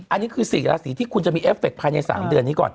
อันนี้คือ๔ราศีที่คุณจะมีเอฟเคภายใน๓เดือนนี้ก่อน